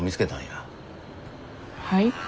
はい？